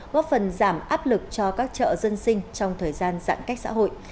góp phần giảm áp lực cho các chợ dân sinh trong thời gian giãn cách xã hội